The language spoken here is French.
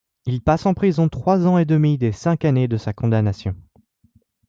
Il passe en prison trois ans et demi des cinq années de sa condamnation.